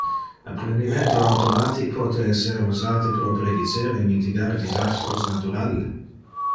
Apprendimento automatic pote esser usate pro predicer e mitigar disastros natural.